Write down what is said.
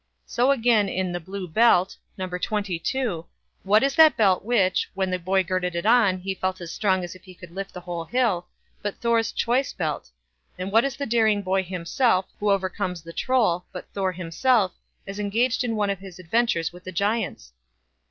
So again in "the Blue Belt", No. xxii, what is that belt which, when the boy girded it on, "he felt as strong as if he could lift the whole hill", but Thor's "choice belt"; and what is the daring boy himself, who overcomes the Troll, but Thor himself, as engaged in one of his adventures with the Giants?